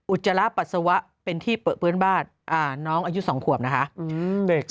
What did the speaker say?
อุจจาระปัสสาวะเป็นที่เปิดเปื้อนบ้านอ่าน้องอายุสองขวบนะคะอืม